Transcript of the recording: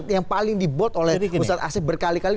yang paling dibot oleh ustaz asyik berkali kali